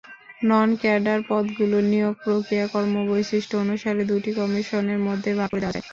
Non-cadre পদগুলোর নিয়োগ-প্রক্রিয়া কর্মবৈশিষ্ট্য অনুসারে দুটি কমিশনের মধ্যে ভাগ করে দেওয়া যায়।